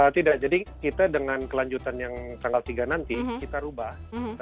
tidak jadi kita dengan kelanjutan yang tanggal tiga nanti kita ubah